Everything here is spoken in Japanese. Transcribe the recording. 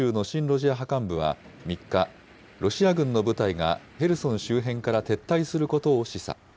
ロシア派幹部は３日、ロシア軍の部隊がヘルソン周辺から撤退することを示唆。